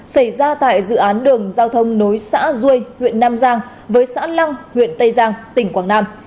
xảy ra tại dự án đường giao thông nối xã ruối huyện nam giang với xã lăng huyện tây giang tỉnh quảng nam